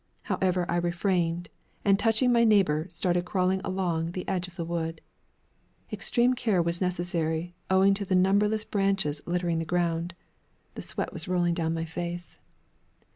However, I refrained, and touching my neighbor, started crawling along the edge of the wood. Extreme care was necessary, owing to the numberless branches littering the ground. The sweat was rolling down my face.